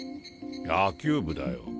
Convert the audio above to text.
野球部だよ。